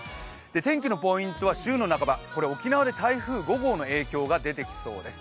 天気のポイントは週の半ば、沖縄で台風５号の影響が出てきそうです。